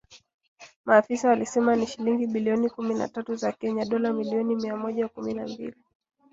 Maafisa walisema ni shilingi bilioni kumi na tatu za Kenya (dola milioni mia moja kumi na mbili).